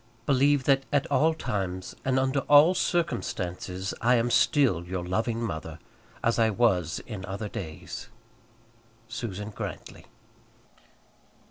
Believe that at all times, and under all circumstances, I am still your loving mother, as I was in other days. SUSAN GRANTLY.